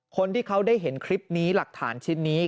คนที่เขาได้เห็นคลิปนี้หลักฐานชิ้นนี้